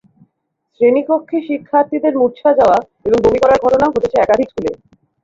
শ্রেণীকক্ষে শিক্ষার্থীদের মূর্ছা যাওয়া এবং বমি করার ঘটনাও ঘটেছে একাধিক স্কুলে।